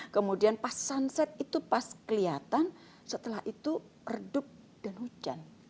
kemudian pas sunset itu pas kelihatan setelah itu redup dan hujan